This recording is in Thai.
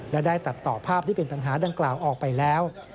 และได้ตัดต่อภาพที่เป็นปัญหาดังกล่าวออกไปแล้ว